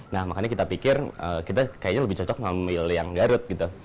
nah makanya kita pikir kita kayaknya lebih cocok ngambil yang garut gitu